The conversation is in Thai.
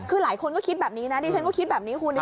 คือหลายคนก็คิดแบบนี้นะดิฉันก็คิดแบบนี้คุณ